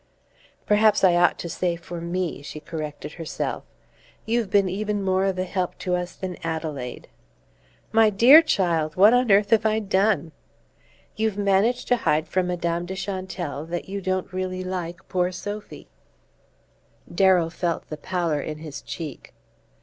"Perhaps I ought to say for ME," she corrected herself. "You've been even more of a help to us than Adelaide." "My dear child! What on earth have I done?" "You've managed to hide from Madame de Chantelle that you don't really like poor Sophy." Darrow felt the pallour in his cheek.